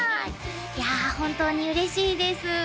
いやあ本当に嬉しいです